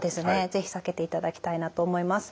是非避けていただきたいなと思います。